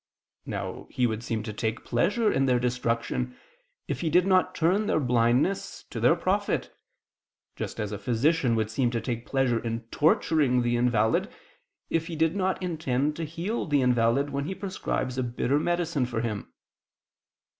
Now He would seem to take pleasure in their destruction, if He did not turn their blindness to their profit: just as a physician would seem to take pleasure in torturing the invalid, if he did not intend to heal the invalid when he prescribes a bitter medicine for him.